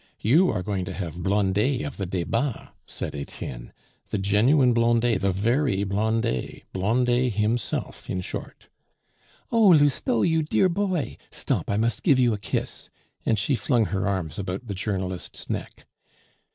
You are going to have Blondet of the Debats," said Etienne, "the genuine Blondet, the very Blondet Blondet himself, in short." "Oh! Lousteau, you dear boy! stop, I must give you a kiss," and she flung her arms about the journalist's neck.